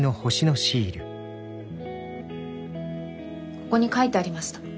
ここに書いてありました。